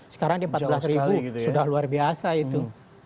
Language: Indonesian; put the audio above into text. sekarang di empat belas ribu sudah luar biasa itu